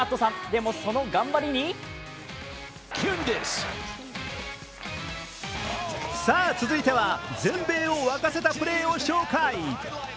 でも、その頑張りに続いては全米をわかせたプレーを紹介。